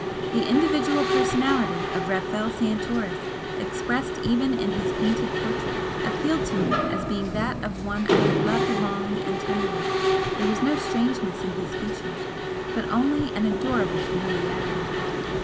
The individual personality of Rafel Santoris, expressed even in his painted portrait, appealed to me as being that of one I had loved long and tenderly, there was no strangeness in his features but only an adorable familiarity.